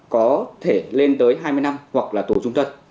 có thể lên tới hai mươi năm hoặc là tù trung thân